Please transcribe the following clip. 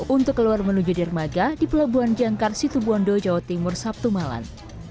untuk keluar menuju darmaga di pelabuhan jangkar situbuondo jawa timur sabtu malan